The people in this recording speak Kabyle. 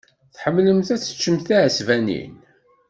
Tḥemmlemt ad teččemt tiɛesbanin.